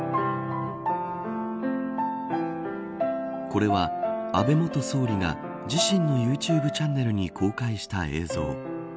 これは安倍元総理が自身のユーチューブチャンネルに公開した映像。